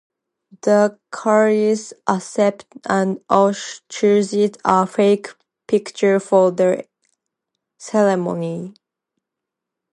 The Careys accept and Osh chooses a fake picture for the ceremony.